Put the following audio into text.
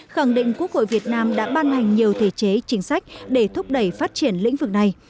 khẳng định quốc hội việt nam đã ban hành nhiều thể chế chính sách để thúc đẩy phát triển lĩnh vực này